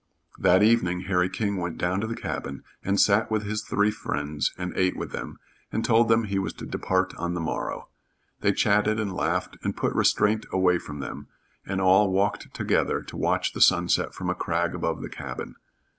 That evening Harry King went down to the cabin and sat with his three friends and ate with them, and told them he was to depart on the morrow. They chatted and laughed and put restraint away from them, and all walked together to watch the sunset from a crag above the cabin.